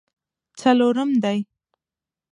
څلورم دی.